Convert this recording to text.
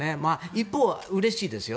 一方、うれしいですよ。